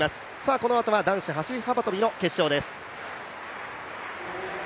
このあとは男子走幅跳の決勝です。